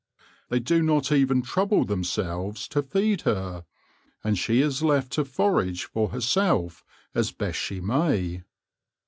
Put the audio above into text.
They do not even trouble themselves to feed her, and she is left to forage for herself as best she may.